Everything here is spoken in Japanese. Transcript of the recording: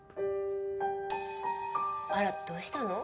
あらどうしたの？